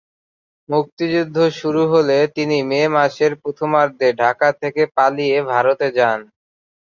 মুক্তিযুদ্ধ শুরু হলে তিনি মে মাসের প্রথমার্ধে ঢাকা থেকে পালিয়ে ভারতে যান।